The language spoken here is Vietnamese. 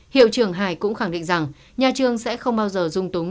hiệu trường hải cũng khẳng định rằng nhà trường sẽ không bao giờ dung túng